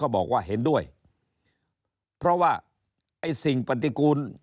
บอกว่าเห็นด้วยเพราะว่าไอ้สิ่งปฏิกูล